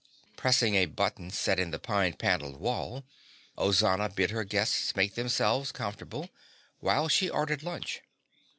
Pressing a button set in the pine paneled wall, Ozana bid her guests make themselves comfortable while she ordered lunch.